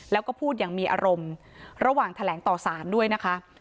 แล้วก็พูดอย่างมีอารมณ์ระหว่างแถลงต่อสารด้วยนะคะ